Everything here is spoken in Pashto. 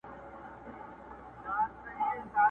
خلاصول يې خپل ځانونه اولادونه٫